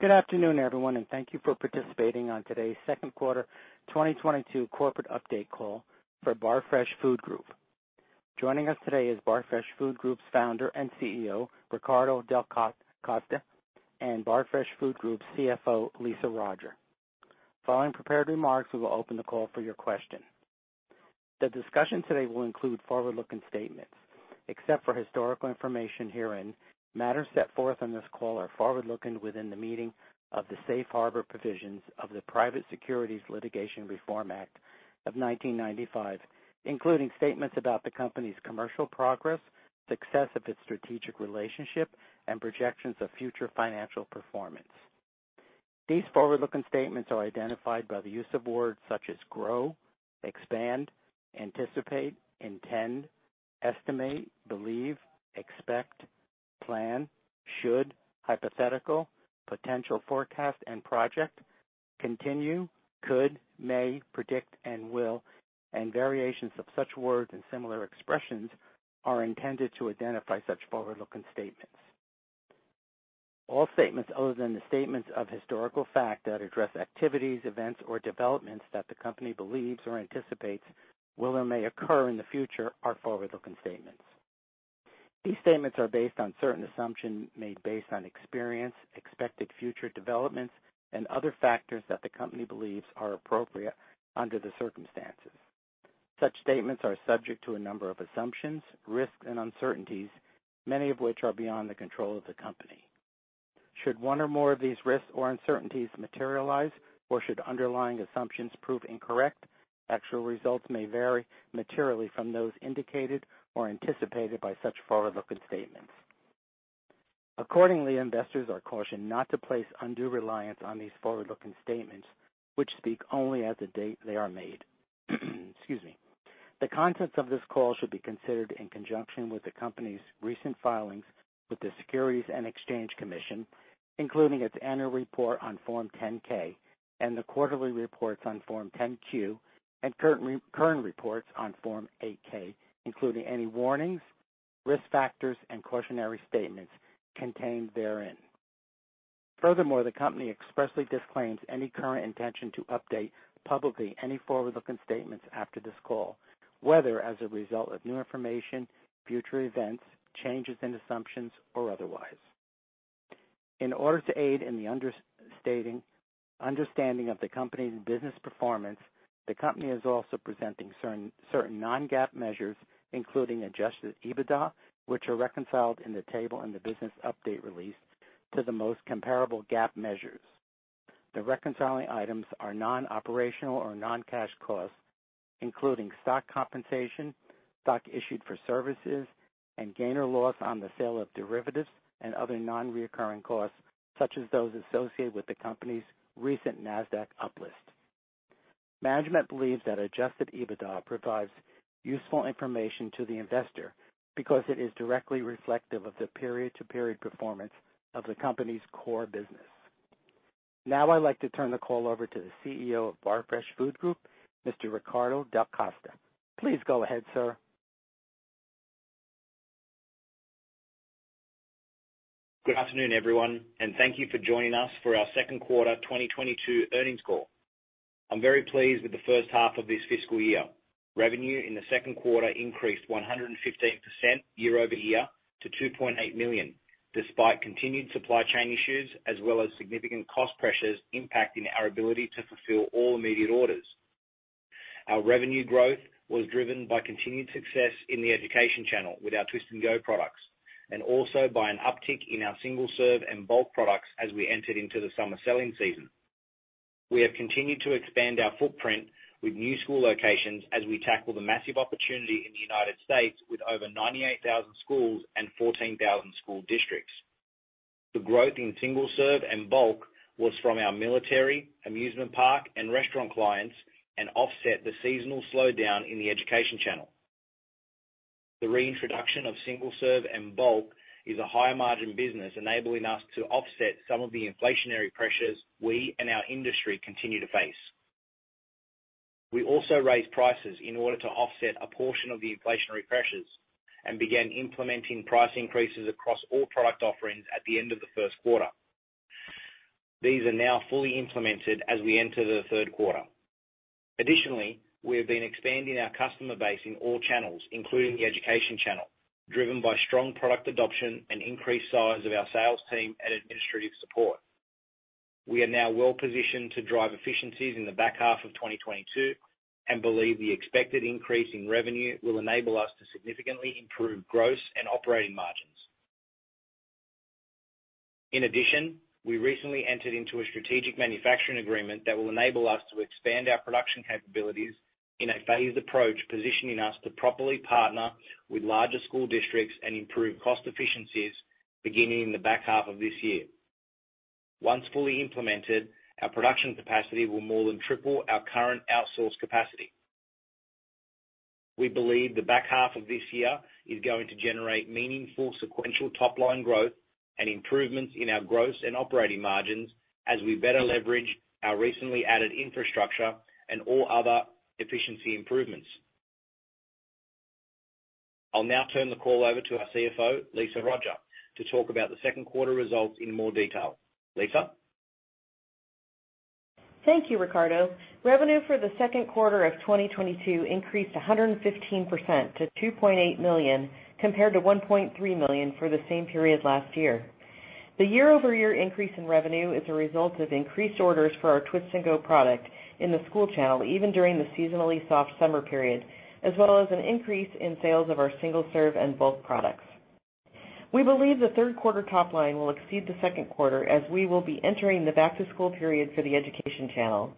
Good afternoon everyone and thank you for participating on today's second quarter 2022 corporate update call for Barfresh Food Group. Joining us today is Barfresh Food Group's founder and CEO, Riccardo Delle Coste, and Barfresh Food Group CFO, Lisa Roger. Following prepared remarks, we will open the call for your questions. The discussion today will include forward-looking statements. Except for historical information herein, matters set forth on this call are forward-looking within the meaning of the safe harbor provisions of the Private Securities Litigation Reform Act of 1995, including statements about the company's commercial progress, success of its strategic relationship, and projections of future financial performance. These forward-looking statements are identified by the use of words such as grow, expand, anticipate, intend, estimate, believe, expect, plan, should, hypothetical, potential forecast and project, continue, could, may, predict, and will, and variations of such words and similar expressions are intended to identify such forward-looking statements. All statements other than the statements of historical fact that address activities, events, or developments that the company believes or anticipates will or may occur in the future are forward-looking statements. These statements are based on certain assumptions made based on experience, expected future developments, and other factors that the company believes are appropriate under the circumstances. Such statements are subject to a number of assumptions, risks, and uncertainties, many of which are beyond the control of the company. Should one or more of these risks or uncertainties materialize, or should underlying assumptions prove incorrect, actual results may vary materially from those indicated or anticipated by such forward-looking statements. Accordingly, investors are cautioned not to place undue reliance on these forward-looking statements, which speak only as of the date they are made. Excuse me. The contents of this call should be considered in conjunction with the company's recent filings with the Securities and Exchange Commission, including its annual report on Form 10-K and the quarterly reports on Form 10-Q, and current reports on Form 8-K, including any warnings, risk factors, and cautionary statements contained therein. Furthermore, the company expressly disclaims any current intention to update publicly any forward-looking statements after this call, whether as a result of new information, future events, changes in assumptions, or otherwise. In order to aid in the understanding of the company's business performance, the company is also presenting certain non-GAAP measures, including Adjusted EBITDA, which are reconciled in the table in the business update release to the most comparable GAAP measures. The reconciling items are non-operational or non-cash costs, including stock compensation, stock issued for services, and gain or loss on the sale of derivatives and other non-recurring costs, such as those associated with the company's recent NASDAQ uplisting. Management believes that Adjusted EBITDA provides useful information to the investor because it is directly reflective of the period-to-period performance of the company's core business. Now I'd like to turn the call over to the CEO of Barfresh Food Group, Mr. Riccardo Delle Coste. Please go ahead, sir. Good afternoon everyone and thank you for joining us for our second quarter 2022 earnings call. I'm very pleased with the first half of this fiscal year. Revenue in the second quarter increased 115% year-over-year to $2.8 million, despite continued supply chain issues as well as significant cost pressures impacting our ability to fulfill all immediate orders. Our revenue growth was driven by continued success in the education channel with our Twist & Go products, and also by an uptick in our single-serve and bulk products as we entered into the summer selling season. We have continued to expand our footprint with new school locations as we tackle the massive opportunity in the United States with over 98,000 schools and 14,000 school districts. The growth in single-serve and bulk was from our military, amusement park, and restaurant clients, and offset the seasonal slowdown in the education channel. The reintroduction of single-serve and bulk is a higher margin business, enabling us to offset some of the inflationary pressures we and our industry continue to face. We also raised prices in order to offset a portion of the inflationary pressures and began implementing price increases across all product offerings at the end of the first quarter. These are now fully implemented as we enter the third quarter. Additionally, we have been expanding our customer base in all channels, including the education channel, driven by strong product adoption and increased size of our sales team and administrative support. We are now well positioned to drive efficiencies in the back half of 2022 and believe the expected increase in revenue will enable us to significantly improve gross and operating margins. In addition, we recently entered into a strategic manufacturing agreement that will enable us to expand our production capabilities in a phased approach, positioning us to properly partner with larger school districts and improve cost efficiencies beginning in the back half of this year. Once fully implemented, our production capacity will more than triple our current outsourced capacity. We believe the back half of this year is going to generate meaningful sequential top-line growth and improvements in our gross and operating margins as we better leverage our recently added infrastructure and all other efficiency improvements. I'll now turn the call over to our CFO, Lisa Roger, to talk about the second quarter results in more detail. Lisa? Thank you Ricardo. Revenue for the second quarter of 2022 increased 115% to $2.8 million, compared to $1.3 million for the same period last year. The year-over-year increase in revenue is a result of increased orders for our Twist & Go product in the school channel, even during the seasonally soft summer period, as well as an increase in sales of our single-serve and bulk products. We believe the third quarter top line will exceed the second quarter as we will be entering the back-to-school period for the education channel.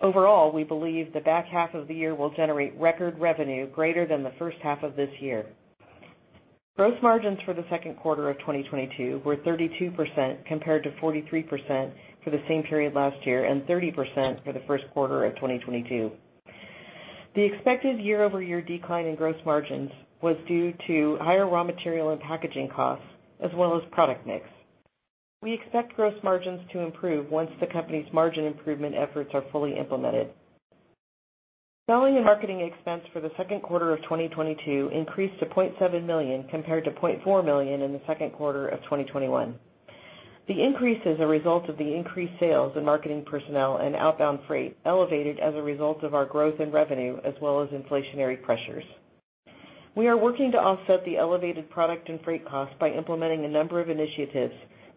Overall, we believe the back half of the year will generate record revenue greater than the first half of this year. Gross margins for the second quarter of 2022 were 32% compared to 43% for the same period last year and 30% for the first quarter of 2022. The expected year-over-year decline in gross margins was due to higher raw material and packaging costs as well as product mix. We expect gross margins to improve once the company's margin improvement efforts are fully implemented. Selling and marketing expense for the second quarter of 2022 increased to $0.7 million compared to $0.4 million in the second quarter of 2021. The increase is a result of the increased sales and marketing personnel and outbound freight elevated as a result of our growth in revenue as well as inflationary pressures. We are working to offset the elevated product and freight costs by implementing a number of initiatives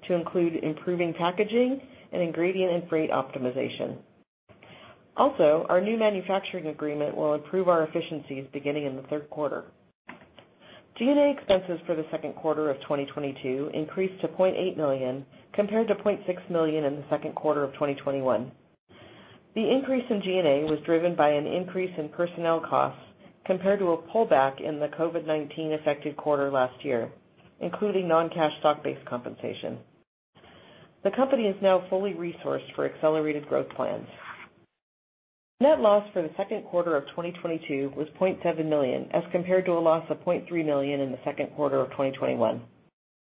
to include improving packaging and ingredient and freight optimization. Our new manufacturing agreement will improve our efficiencies beginning in the third quarter. G&A expenses for the second quarter of 2022 increased to $0.8 million compared to $0.6 million in the second quarter of 2021. The increase in G&A was driven by an increase in personnel costs compared to a pullback in the COVID-19 affected quarter last year, including non-cash stock-based compensation. The company is now fully resourced for accelerated growth plans. Net loss for the second quarter of 2022 was $0.7 million, as compared to a loss of $0.3 million in the second quarter of 2021.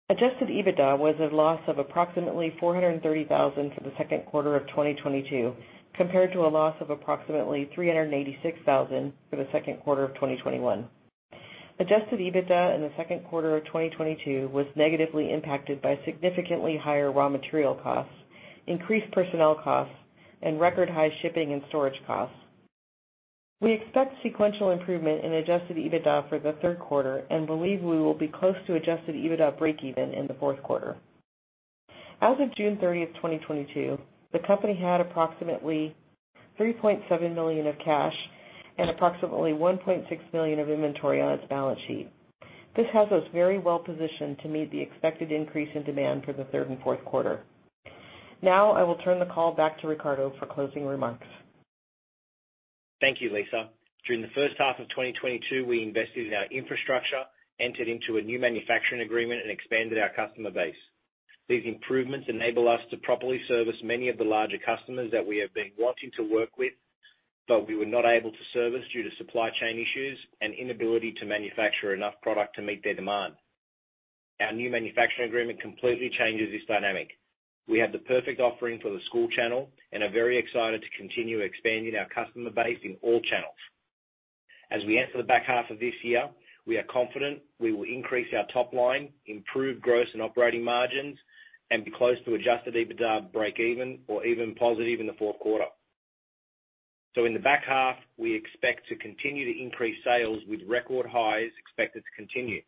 Adjusted EBITDA was a loss of approximately $430,000 for the second quarter of 2022, compared to a loss of approximately $386,000 for the second quarter of 2021. Adjusted EBITDA in the second quarter of 2022 was negatively impacted by significantly higher raw material costs, increased personnel costs, and record high shipping and storage costs. We expect sequential improvement in Adjusted EBITDA for the third quarter and believe we will be close to Adjusted EBITDA breakeven in the fourth quarter. As of June 30, 2022, the company had approximately $3.7 million of cash and approximately $1.6 million of inventory on its balance sheet. This has us very well positioned to meet the expected increase in demand for the third and fourth quarter. Now I will turn the call back to Ricardo for closing remarks. Thank you Lisa. During the first half of 2022, we invested in our infrastructure, entered into a new manufacturing agreement, and expanded our customer base. These improvements enable us to properly service many of the larger customers that we have been wanting to work with, but we were not able to service due to supply chain issues and inability to manufacture enough product to meet their demand. Our new manufacturing agreement completely changes this dynamic. We have the perfect offering for the school channel and are very excited to continue expanding our customer base in all channels. As we enter the back half of this year, we are confident we will increase our top line, improve gross and operating margins, and be close to Adjusted EBITDA breakeven or even positive in the fourth quarter. In the back half, we expect to continue to increase sales with record highs expected to continue.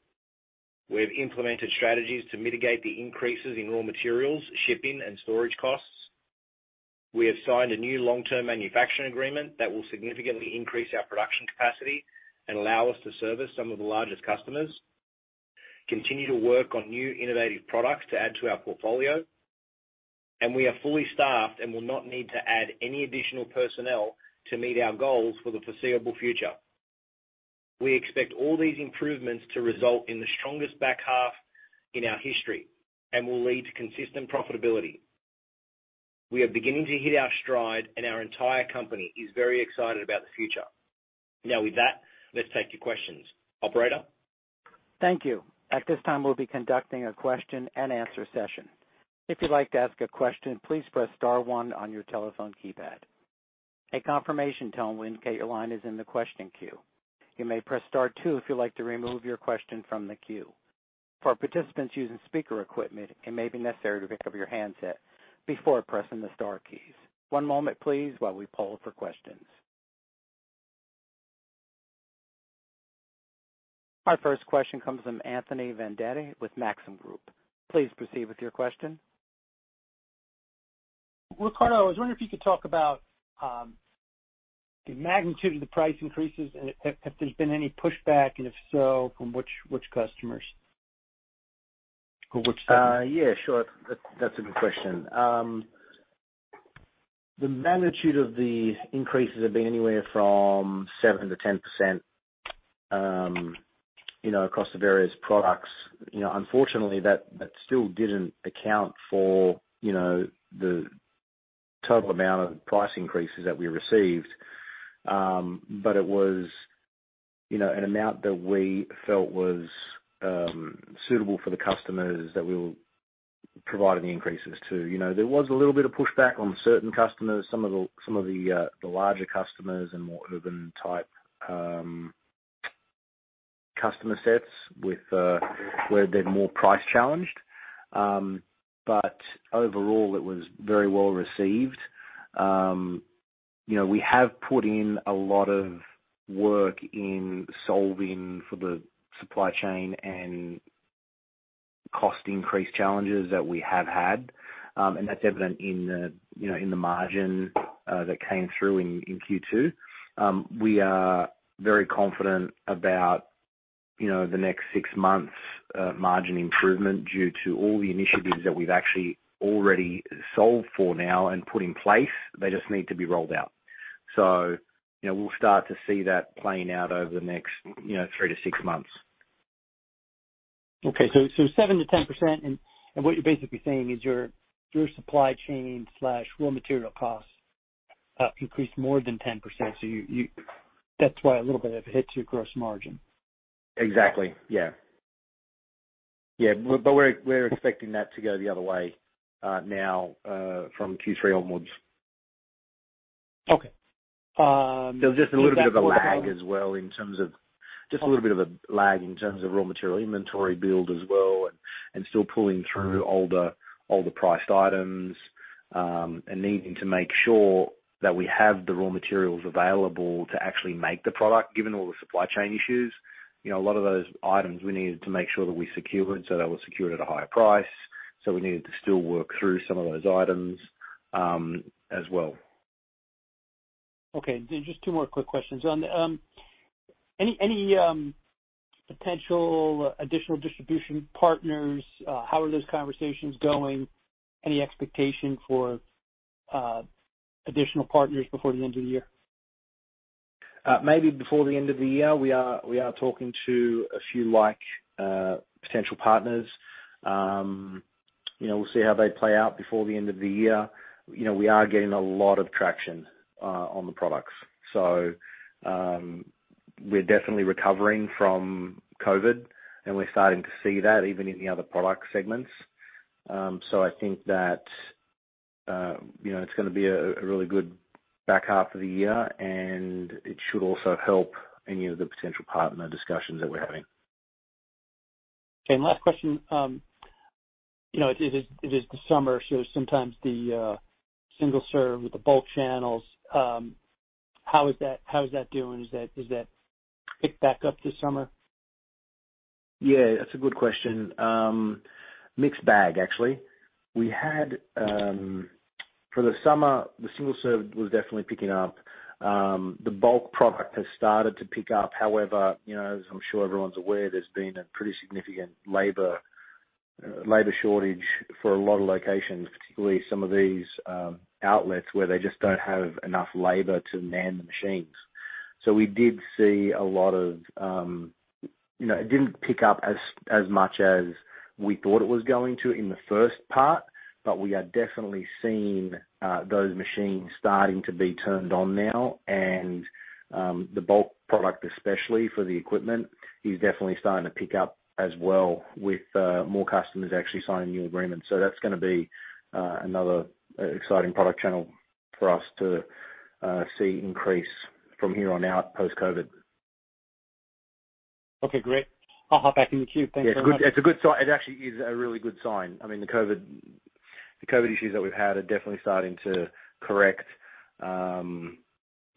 We have implemented strategies to mitigate the increases in raw materials, shipping, and storage costs. We have signed a new long-term manufacturing agreement that will significantly increase our production capacity and allow us to service some of the largest customers, continue to work on new innovative products to add to our portfolio, and we are fully staffed and will not need to add any additional personnel to meet our goals for the foreseeable future. We expect all these improvements to result in the strongest back half in our history and will lead to consistent profitability. We are beginning to hit our stride and our entire company is very excited about the future. Now with that, let's take your questions. Operator? Thank you. At this time, we'll be conducting a question and answer session. If you'd like to ask a question, please press star one on your telephone keypad. A confirmation tone will indicate your line is in the question queue. You may press star two if you'd like to remove your question from the queue. For participants using speaker equipment, it may be necessary to pick up your handset before pressing the star keys. One moment, please, while we poll for questions. Our first question comes from Anthony Vendetti with Maxim Group. Please proceed with your question. Ricardo I was wondering if you could talk about the magnitude of the price increases and if there's been any pushback, and if so, from which customers? Yeah sure. That's a good question. The magnitude of the increases have been anywhere from 7%-10%, you know, across the various products. You know, unfortunately, that still didn't account for, you know, the total amount of price increases that we received. It was, you know, an amount that we felt was suitable for the customers that we were Providing the increases too. You know, there was a little bit of pushback on certain customers, some of the larger customers and more urban type customer sets with where they're more price challenged. Overall it was very well received. You know, we have put in a lot of work in solving for the supply chain and cost increase challenges that we have had. That's evident in the, you know, in the margin that came through in Q2. We are very confident about, you know, the next 6 months, margin improvement due to all the initiatives that we've actually already solved for now and put in place. They just need to be rolled out. You know, we'll start to see that playing out over the next, you know, 3 to 6 months. Okay. 7%-10%. What you're basically saying is your supply chain/raw material costs have increased more than 10%. That's why a little bit of hit to your gross margin. Exactly, yeah. Yeah, but we're expecting that to go the other way now from Q3 onwards. Okay. There's just a little bit of a lag in terms of raw material inventory build as well, and still pulling through older priced items, and needing to make sure that we have the raw materials available to actually make the product given all the supply chain issues. You know, a lot of those items we needed to make sure that we secured, so they were secured at a higher price, so we needed to still work through some of those items, as well. Okay just two more quick questions. Any potential additional distribution partners? How are those conversations going? Any expectation for additional partners before the end of the year? Maybe before the end of the year. We are talking to a few like potential partners. You know, we'll see how they play out before the end of the year. You know, we are getting a lot of traction on the products, so we're definitely recovering from COVID, and we're starting to see that even in the other product segments. So I think that you know, it's gonna be a really good back half of the year, and it should also help any of the potential partner discussions that we're having. Okay. Last question, you know it is the summer, so sometimes the single serve with the bulk channels, how is that doing? Is that picked back up this summer? Yeah that's a good question. Mixed bag, actually. We had, for the summer, the single serve was definitely picking up. The bulk product has started to pick up. However, you know, as I'm sure everyone's aware, there's been a pretty significant labor shortage for a lot of locations, particularly some of these outlets, where they just don't have enough labor to man the machines. So we did see a lot of, you know, it didn't pick up as much as we thought it was going to in the first part, but we are definitely seeing those machines starting to be turned on now. The bulk product especially for the equipment is definitely starting to pick up as well with more customers actually signing new agreements. That's gonna be another exciting product channel for us to see increase from here on out post-COVID. Okay great. I'll hop back in the queue. Thank you very much. Yeah it's a good sign. It actually is a really good sign. I mean, the COVID issues that we've had are definitely starting to correct.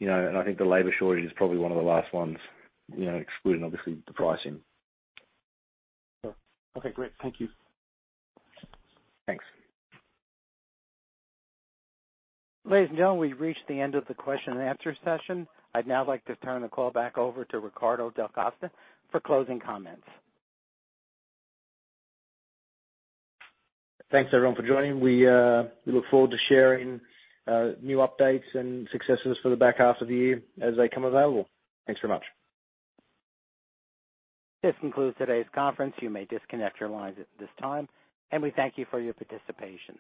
You know, and I think the labor shortage is probably one of the last ones, you know, excluding obviously the pricing. Sure. Okay great. Thank you. Thanks. Ladies and gentlemen, we've reached the end of the question and answer session. I'd now like to turn the call back over to Riccardo Delle Coste for closing comments. Thanks everyone for joining. We look forward to sharing new updates and successes for the back half of the year as they become available. Thanks very much. This concludes today's conference. You may disconnect your lines at this time, and we thank you for your participation.